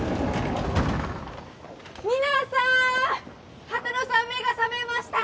皆さーん畑野さん目が覚めました